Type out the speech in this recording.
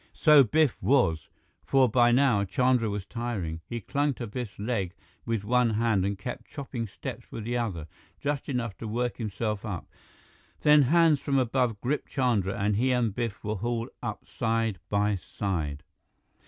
So Biff was, for by now Chandra was tiring. He clung to Biff's leg with one hand and kept chopping steps with the other, just enough to work himself up. Then hands from above gripped Chandra, and he and Biff were hauled up side by side.